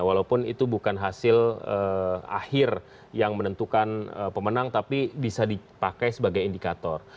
walaupun itu bukan hasil akhir yang menentukan pemenang tapi bisa dipakai sebagai indikator